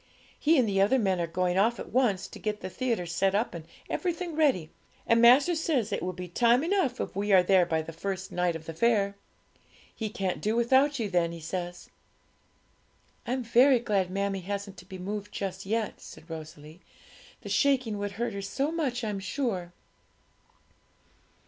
He and the other men are going off at once, to get the theatre set up and everything ready, and master says it will be time enough if we are there by the first night of the fair. He can't do without you then, he says.' 'I am very glad mammie hasn't to be moved just yet,' said Rosalie; 'the shaking would hurt her so much, I'm sure.'